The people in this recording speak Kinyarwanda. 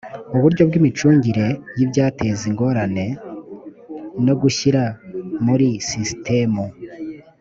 uburyo bw’imicungire y’ibyateza ingorane no gushyira muri sisitemu